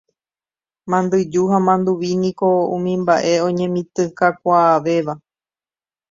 Mandyju ha manduvi niko umi mba'e oñemitỹkakuaavéva.